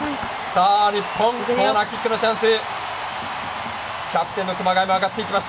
日本コーナーキックのチャンス。